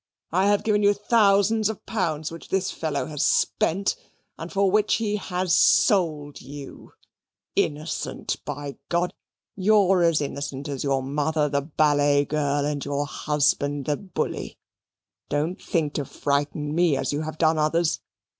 I have given you thousands of pounds, which this fellow has spent and for which he has sold you. Innocent, by ! You're as innocent as your mother, the ballet girl, and your husband the bully. Don't think to frighten me as you have done others.